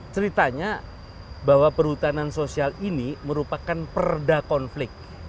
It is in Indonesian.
ceritanya bahwa perhutanan sosial ini merupakan perda konflik